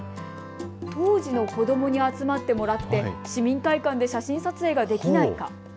当時の子どもに集まってもらって市民会館で写真撮影ができないか。